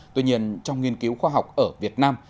tuy nhiên trong nghiên cứu khoa học ở việt nam